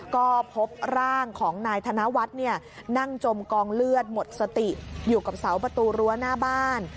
ก็พบร่างของนายธนวัฒน์นั่งจมกองเลือดหมดสติอยู่กับเสาประตูรั้วหน้าบ้าน